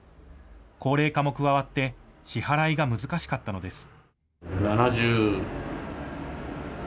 高齢化も加わって支払いが難しかったのです。